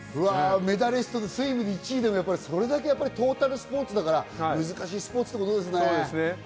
メダリストでスイムで１位でもトータルスポーツだから難しいスポーツということですね。